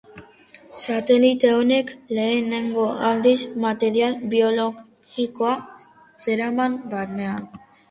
Satelite honek lehenengo aldiz material biologikoa zeraman barnean.